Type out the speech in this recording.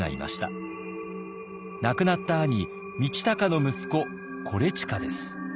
亡くなった兄道隆の息子伊周です。